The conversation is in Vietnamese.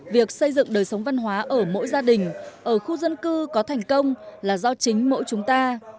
việc xây dựng đời sống văn hóa ở mỗi gia đình ở khu dân cư có thành công là do chính mỗi chúng ta